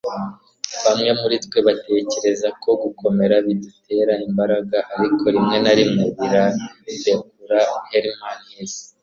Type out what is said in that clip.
bamwe muri twe batekereza ko gukomera bidutera imbaraga, ariko rimwe na rimwe birarekura - herman hesse